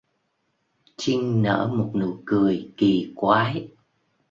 Chinh nở một nụ cười kỳ quái